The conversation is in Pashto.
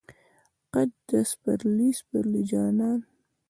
قد د سپرلی، سپرلی جانان